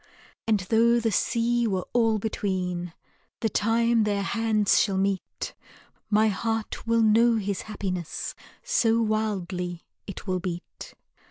And tho' the sea were all between, The time their hands shall meet, My heart will know his happiness, So wildly it will beat.